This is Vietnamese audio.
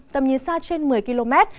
tầm nhìn xa trên một mươi km